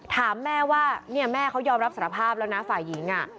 ถามแม่ว่าเนี่ยแม่เขายอมรับสารภาพแล้วนะฝ่ายหญิง